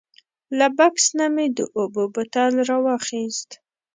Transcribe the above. له بکس نه مې د اوبو بوتل راواخیست.